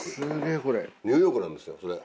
ニューヨークなんですよそれ。